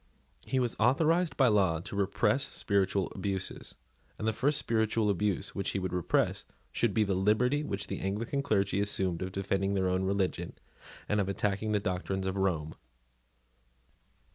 He was authorised by law to repress spiritual abuses; and the first spiritual abuse which he would repress should be the liberty which the Anglican clergy assumed of defending their own religion and of attacking the doctrines of Rome.